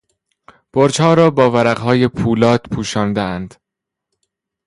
برجها را با ورقهای پولاد پوشاندهاند.